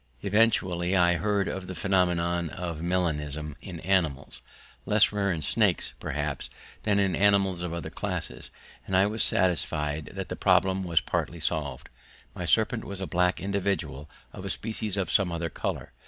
Eventually I heard of the phenomenon of melanism in animals, less rare in snakes perhaps than in animals of other classes, and I was satisfied that the problem was partly solved. My serpent was a black individual of a species of some other colour.